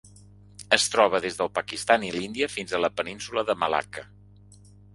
Es troba des del Pakistan i l'Índia fins a la Península de Malacca.